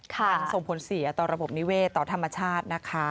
มันส่งผลเสียต่อระบบนิเวศต่อธรรมชาตินะคะ